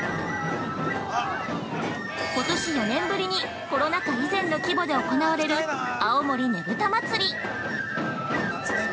ことし４年ぶりにコロナ禍以前の規模で行われる青森ねぶた祭。